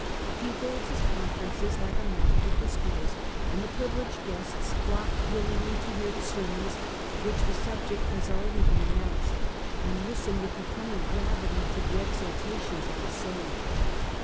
He holds his conferences like a master of the schools, and the privi leged guests flock willingly to hear the sermons of which the subject has already been announced, and listen with becoming gravity to the exhortations of the sage.